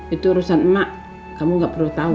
itu urusan emak kamu gak perlu tahu